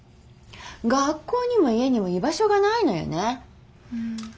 学校にも家にも居場所がないのよね。